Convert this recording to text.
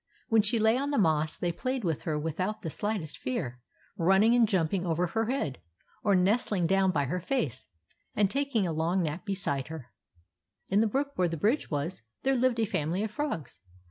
When she lay on the moss, they played about her without the slightest fear, running and jumping over her head, or nest ling down by her face and taking a long nap beside her. In the brook where the bridge was, there lived a family of frogs.